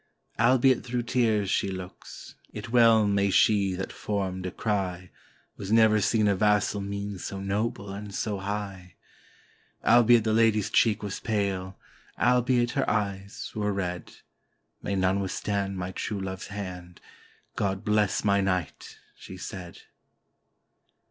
Albeit through tears she looks, yet well may she that form descry. Was never seen a vassal mien so noble and so high ; Albeit the Lady's cheek was pale, albeit her eyes were red, "May none withstand my true love's hand! God bless my Knight!" she said.